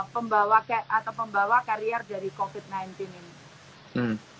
pembawa atau pembawa karier dari covid sembilan belas ini